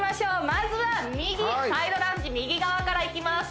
まずは右サイドランジ右側からいきます